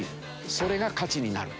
それが価値になると。